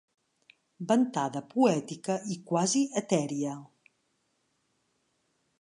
Ventada poètica i quasi etèria.